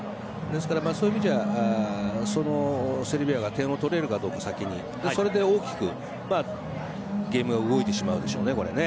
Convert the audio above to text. そういう意味ではセルビアが点を取れるかどうか先にそれで大きくゲームが動いてしまうでしょうね、これ。